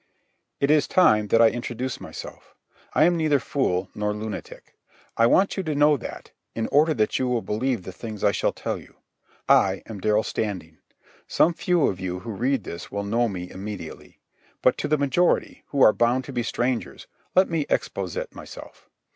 It is time that I introduce myself. I am neither fool nor lunatic. I want you to know that, in order that you will believe the things I shall tell you. I am Darrell Standing. Some few of you who read this will know me immediately. But to the majority, who are bound to be strangers, let me exposit myself.